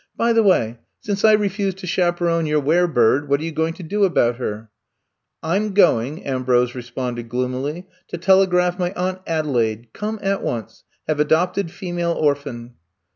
By the way, since I refuse to chaperon your werbird, what are you going to do about hert'* I *m going, '* Ambrose responded gloomily, to telegraph my Aunt Ade laide, ^ Come at once ; have adopted female orphan.